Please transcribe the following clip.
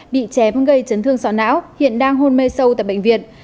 bị chém gây chấn thương sọ não hiện đang hôn mê sâu tại bệnh viện